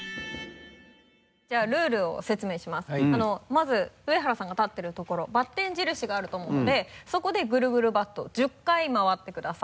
まず上原さんが立っているところバッテン印があると思うのでそこでぐるぐるバットを１０回回ってください。